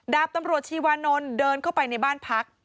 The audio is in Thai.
ดาบตำรวจชีวานนท์เดินเข้าไปในบ้านพัก